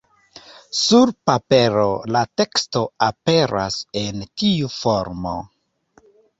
Sur papero la teksto aperas en tiu formo.